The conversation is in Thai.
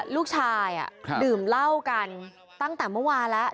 ลูกชายดื่มเหล้ากันตั้งแต่เมื่อวานแล้ว